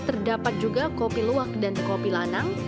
terdapat juga kopi luwak dan kopi lanang